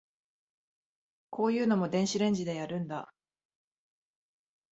こういうのも電子レンジでやるんだ